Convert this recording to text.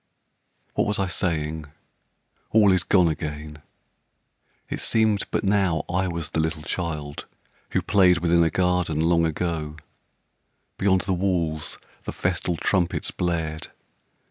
What was I saying? All is gone again. It seemed but now I was the little child Who played within a garden long ago. Beyond the walls the festal trumpets blared.